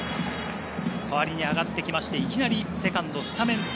代わりに上がってきて、いきなりセカンドスタメン。